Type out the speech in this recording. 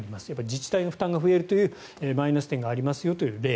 自治体の負担が増えるというマイナス点がありますよという例。